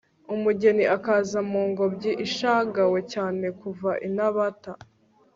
umugeni akaza mu ngobyi ishagawe cyane kuva i nabata